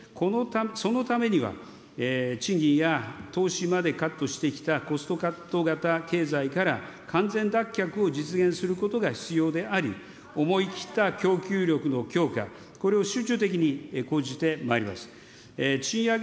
そのためには、賃金や投資までカットしてきたコストカット型経済から完全脱却を実現することが必要であり、思いきった供給力の強化、これを集中的に講じてまいります。